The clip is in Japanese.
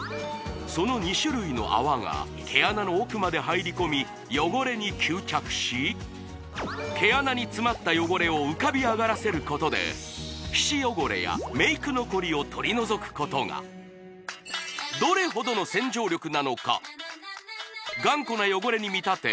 その２種類の泡が毛穴の奥まで入り込み汚れに吸着し毛穴につまった汚れを浮かびあがらせることで皮脂汚れやメイク残りを取り除くことがどれほどの洗浄力なのか頑固な汚れに見立て